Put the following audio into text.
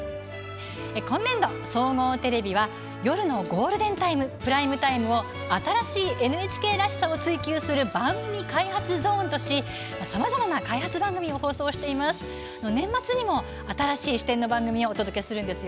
今年度、総合テレビは夜のゴールデンタイムプライムタイムを「新しいＮＨＫらしさを追求する番組開発ゾーン」としさまざまな開発番組を放送していますが、年末にも新しい視点の番組をお届けします。